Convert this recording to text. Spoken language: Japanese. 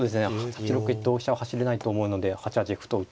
８六に同飛車は走れないと思うので８八歩と打っていく。